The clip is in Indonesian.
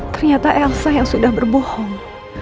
ternyata elsa yang sudah berbohong